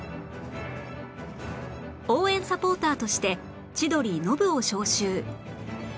応援サポーターとして千鳥ノブを招集